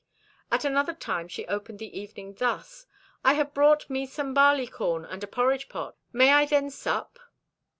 At another time she opened the evening thus: "I have brought me some barley corn and a porridge pot. May I then sup?"